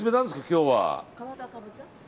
今日は。